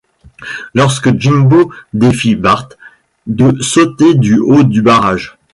Lorsque Jimbo défie Bart de sauter du haut du barrage.